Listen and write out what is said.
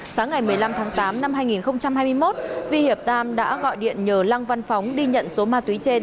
sáng ngày một mươi năm tháng tám năm hai nghìn hai mươi một vi hiệp tam đã gọi điện nhờ lăng văn phóng đi nhận số ma túy trên